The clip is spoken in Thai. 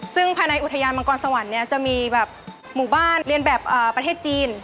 ซึ่งภายในอุทยานมังกรสวรรค์เนี่ยจะมีแบบหมู่บ้านเรียนแบบประเทศจีน